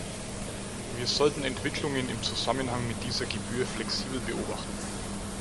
Wir sollten Entwicklungen im Zusammenhang mit dieser Gebühr flexibel beobachten.